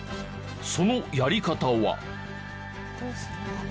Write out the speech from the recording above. そのやり方は。